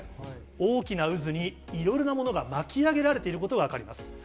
大きな渦にいろいろなものが巻き上げられていることが分かります。